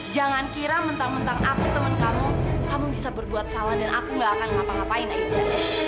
jangan kira mentang mentang aku temen kamu kamu bisa berbuat salah dan aku gak akan ngapa ngapain akhirnya